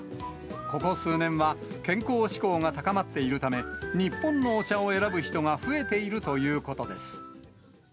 ここ数年は健康志向が高まっているため、日本のお茶を選ぶ人が増えているということです。